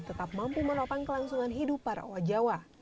tetap mampu melakukan kelangsungan hidup para oa jawa